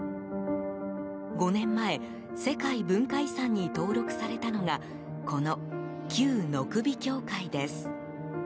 ５年前、世界文化遺産に登録されたのがこの旧野首教会です。